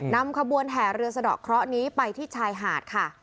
นำขบวนแห่เรือสะดอกเคราะห์นี้ไปที่ชายหาดค่ะ